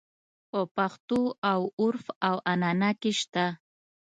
په پښتو او عُرف او عنعنه کې شته.